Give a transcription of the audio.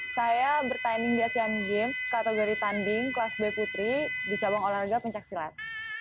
saya bertanding di asean games kategori tanding kelas b putri di cabang olahraga pencaksilat